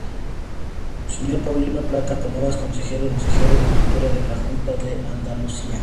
Sr. Paulino Plata Cánovas, Consejero de Cultura de la Junta de Andalucía.